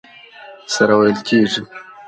سره وېل کېږي.